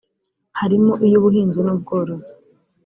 harimo iy’Ubuhinzi n’Ubworozi